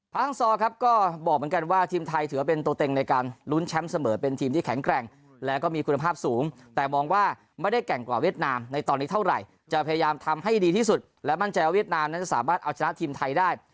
ฮังซอครับก็บอกเหมือนกันว่าทีมไทยถือว่าเป็นตัวเต็งในการลุ้นแชมป์เสมอเป็นทีมที่แข็งแกร่งแล้วก็มีคุณภาพสูงแต่มองว่าไม่ได้แกร่งกว่าเวียดนามในตอนนี้เท่าไหร่จะพยายามทำให้ดีที่สุดและมั่นใจว่าเวียดนามนั้นจะสามารถเอาชนะทีมไทยได้